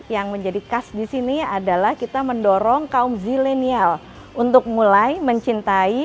yang menjadi khas di sini adalah kita mendorong kaum zilenial untuk mulai mencintai